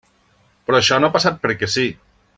Però això no ha passat perquè sí.